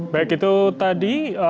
baik itu tadi